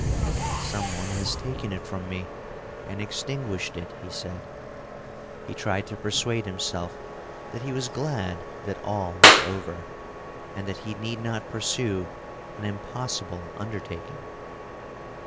"Some one has taken it from me and extinguished it," he said. He tried to persuade himself that he was glad that all was over, and that he need not pursue an impossible undertaking.